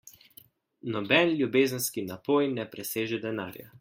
Noben ljubezenski napoj ne preseže denarja.